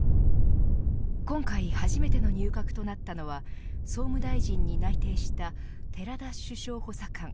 今回初めての入閣となったのは総務大臣に内定した寺田首相補佐官。